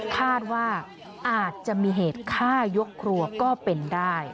คาดว่าอาจจะมีเหตุฆ่ายกครัวก็เป็นได้